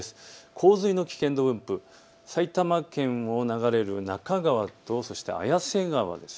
洪水の危険度分布、埼玉県を流れる中川と綾瀬川です。